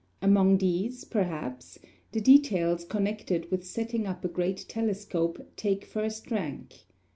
Among these, perhaps, the details connected with setting up a great telescope take first rank.